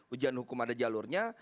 ujian hukum ada jalurnya